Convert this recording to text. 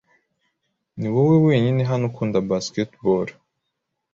Niwowe wenyine hano ukunda basketball.